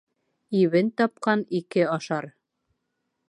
Ибен тапҡан ике ашар.